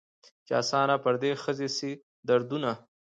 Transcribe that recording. چي آسانه پر دې ښځي سي دردونه